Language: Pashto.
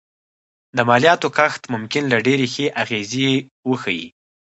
د مالیاتو کمښت ممکن لا ډېرې ښې اغېزې وښيي